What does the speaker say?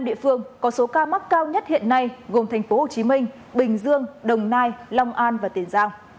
năm địa phương có số ca mắc cao nhất hiện nay gồm thành phố hồ chí minh bình dương đồng nai long an và tiền giang